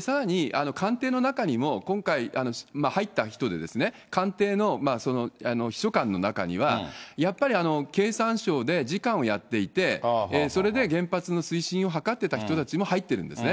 さらに官邸の中にも今回、入った人でですね、官邸の秘書官の中には、やっぱり経産省で次官をやっていて、それで原発の推進を図ってた人たちも入ってるんですね。